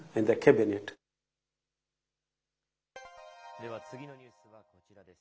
では、次のニュースはこちらです。